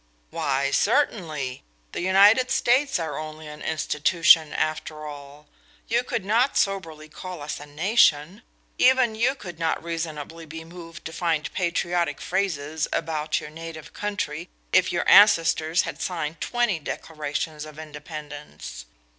'" "Why, certainly. The United States are only an institution after all. You could not soberly call us a nation. Even you could not reasonably be moved to fine patriotic phrases about your native country, if your ancestors had signed twenty Declarations of Independence.